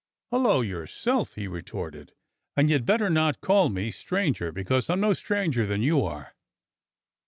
"Hullo, yourself!" he retorted "And you'd better not call me 'stranger,' because I'm no stranger than you are."